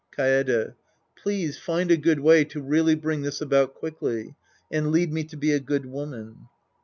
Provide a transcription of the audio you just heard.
Kaede. Please find a good way to really bring this about quickly. And lead me to be a good woman.